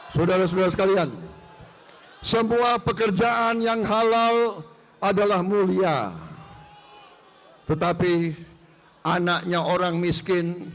saudara saudara sekalian semua pekerjaan yang halal adalah mulia tetapi anaknya orang miskin